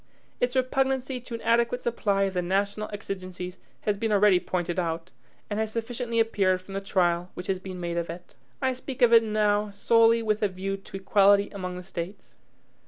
Its repugnancy to an adequate supply of the national exigencies has been already pointed out, and has sufficiently appeared from the trial which has been made of it. I speak of it now solely with a view to equality among the States.